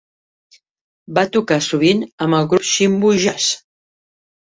Va tocar sovint amb el grup Chimvu Jazz.